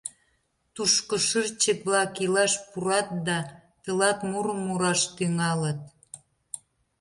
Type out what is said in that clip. Тушко шырчык-влак илаш пурат да тылат мурым мураш тӱҥалыт.